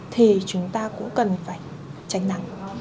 thì chúng ta cũng cần phải tránh nắng